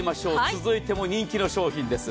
続いても人気の商品です。